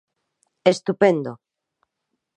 Estupendo.